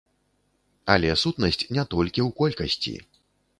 Але сутнасць не толькі ў колькасці.